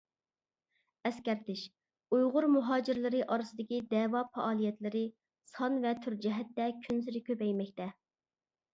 ئەسكەرتىش: ئۇيغۇر مۇھاجىرلىرى ئارىسىدىكى دەۋا پائالىيەتلىرى سان ۋە تۈر جەھەتتە كۈنسېرى كۆپەيمەكتە.